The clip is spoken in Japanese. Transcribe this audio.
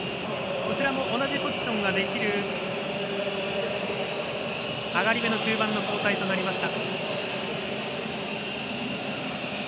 こちらも同じポジションができる上がりめの中盤の交代となりました。